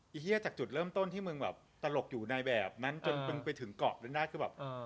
ดีเหี้ยจากจุดเริ่มต้นที่มึงตลกอยู่ในแบบนั้นจนไปถึงเกาะด้านด้านราชคือแบบ